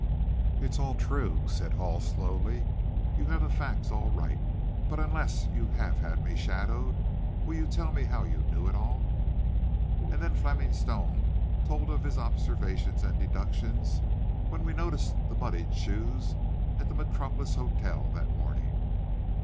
"It's all true," said Hall slowly. "You have the facts all right. But, unless you have had me shadowed, will you tell me how you knew it all?" And then Fleming Stone told of his observations and deductions when we noticed the muddied shoes at the Metropolis Hotel that morning.